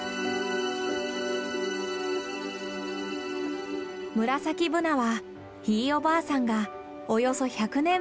ムラサキブナはひいおばあさんがおよそ１００年前に植えた木。